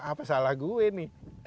apa salah gue nih